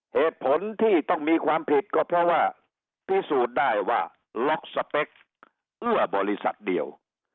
เหตุผลที่ต้องมีความผิดก็เพราะว่าพิสูจน์ได้ว่าล็อกสเปคเอื้อบริษัทเดียว